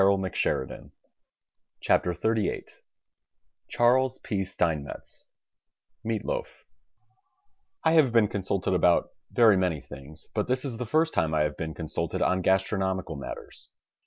THE STAG COOK BOOK XXXVIII Charles P, Steinmetz MEAT LOAF I have been consulted about very many things, but this is the first time I have been consulted on gastronomical matters.